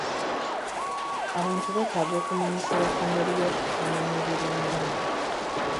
Abantu beetaaga okumanyisibwa ku ngeri y'okukuumamu emibiri emiramu.